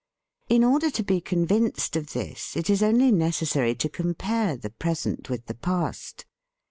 In order to be convinced of this it is only necessary to compare the present with the past.